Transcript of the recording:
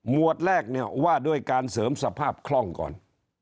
วดแรกเนี่ยว่าด้วยการเสริมสภาพคล่องก่อน